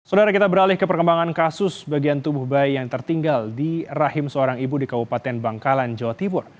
saudara kita beralih ke perkembangan kasus bagian tubuh bayi yang tertinggal di rahim seorang ibu di kabupaten bangkalan jawa timur